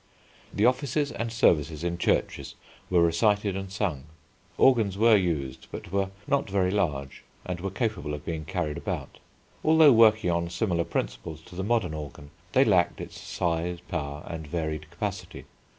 The offices and services in churches were recited and sung. Organs were used, but were not very large and were capable of being carried about: although working on similar principles to the modern organ they lacked its size, power, and varied capacity.